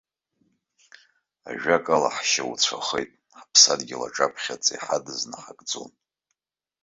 Ажәакала ҳшьауцәахеит, ҳаԥсадгьыл аҿаԥхьа адҵа иҳадыз наҳагӡон.